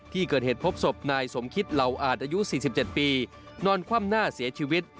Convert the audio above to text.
ที่เกิดเหตุพบศพนายสมคิตเหล่าอาจอายุ๔๗ปีนอนคว่ำหน้าเสียชีวิต